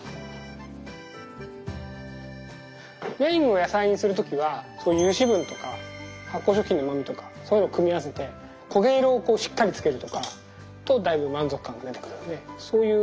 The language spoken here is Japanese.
メインを野菜にする時は油脂分とか発酵食品のうまみとかそういうのを組み合わせて焦げ色をこうしっかりつけるとかとだいぶ満足感が出てくるのでそういうのは大事かもしれない。